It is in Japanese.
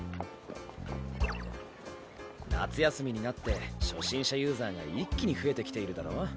夏休みになって初心者ユーザーが一気に増えてきているだろ？